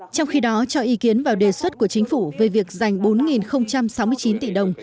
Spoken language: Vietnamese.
trong khi đó cho ý kiến vào đề xuất của chính phủ về việc dành bốn sáu mươi chín tỷ đồng